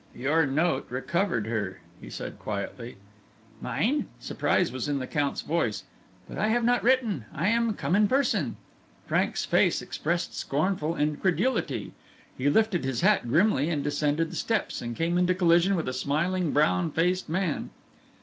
"Your note recovered her!" he said, quietly. "Mine!" Surprise was in the Count's voice. "But I have not written. I am come in person." Frank's face expressed scornful incredulity. He lifted his hat grimly and descended the steps, and came into collision with a smiling, brown faced man.